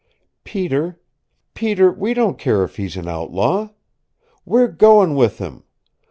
Peter Peter we don't care if he's an outlaw! We're goin' with him.